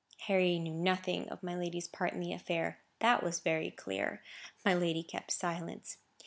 Harry knew nothing of my lady's part in the affair; that was very clear. My lady kept silence.